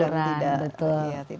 kalau bisa jangan diburu dan tidak